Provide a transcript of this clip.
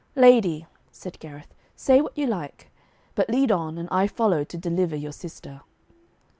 'Lady,' said Gareth, 'say what you like; but lead on, and I follow to deliver your sister.'